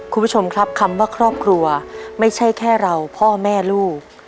คุณผู้ชมครับคำว่าครอบครัวไม่ใช่แค่เราพ่อแม่ลูก